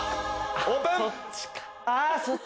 オープン。